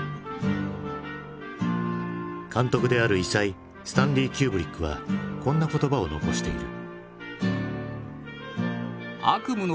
監督である異才スタンリー・キューブリックはこんな言葉を残している。